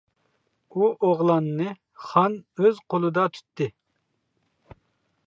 ئۇ ئوغلاننى خان ئۆز قولىدا تۇتتى.